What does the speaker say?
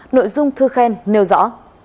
nội dung thư khen nêu rõ